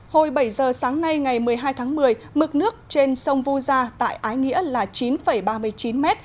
hồi bảy giờ sáng nay ngày một mươi hai tháng một mươi mực nước trên sông vu gia tại ái nghĩa là chín ba mươi chín m